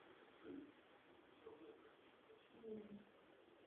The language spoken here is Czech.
Některé místnosti mají křížové nebo valené klenby.